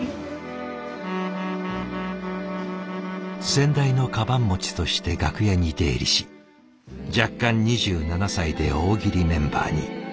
先代のかばん持ちとして楽屋に出入りし弱冠２７歳で大喜利メンバーに。